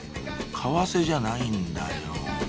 為替じゃないんだよ